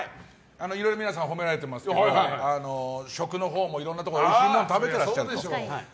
いろいろ皆さんに褒められていますけども食の方もいろんなおいしいものを食べてそうでしょう。